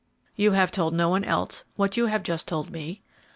"You have told no one else what you have just told me?"